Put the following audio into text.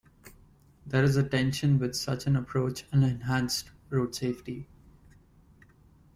There is a tension with such an approach and enhanced road safety.